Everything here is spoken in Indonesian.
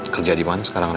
kerja dimana sekarang rem